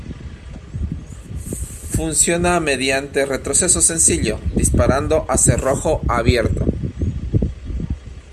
Funciona mediante retroceso sencillo, disparando a cerrojo abierto.